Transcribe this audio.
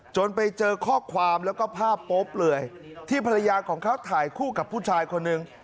ไปเจอข้อความแล้วก็ภาพโป๊บเลยที่ภรรยาของเขาถ่ายคู่กับผู้ชายคนหนึ่ง